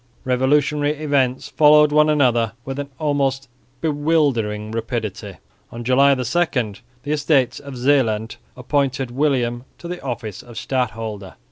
Revolutionary events followed one another with almost bewildering rapidity. On July 2 the Estates of Zeeland appointed William to the office of Stadholder.